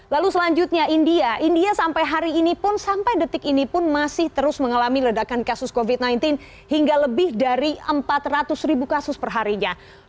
lalu selanjutnya india india sampai hari ini pun sampai detik ini pun masih terus mengalami ledakan kasus covid sembilan belas hingga lebih dari empat ratus ribu kasus perharinya